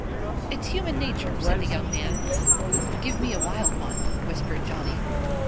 "It's human nature," said the young man. "Give me a wild one" whispered Johnny.